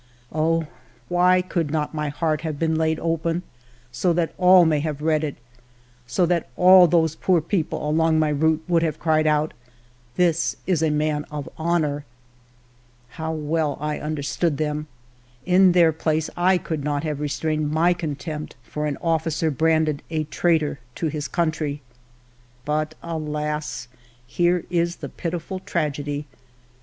Oh, why could not my heart have been laid open so that all may have read it, — so that all those poor people along my route would have cried out, ' This is a man of honor !'... How well I understand them ! In their place I could not have restrained my contempt for an officer branded a traitor to his country. But, alas ! here is the pitiful tragedy.